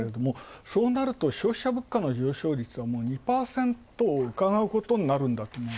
そうなると、消費者物価の上昇率は２％をうかがうことになるんだと。